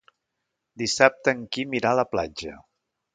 Dissabte en Quim irà a la platja.